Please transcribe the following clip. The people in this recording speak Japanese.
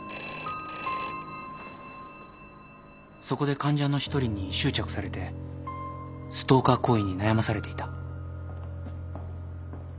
そこで患者の一人に執着されてストーカー行為に悩まされていた。